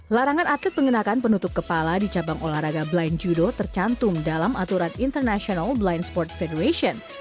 larangan atlet mengenakan penutup kepala di cabang olahraga blind judo tercantum dalam aturan international blind sport federation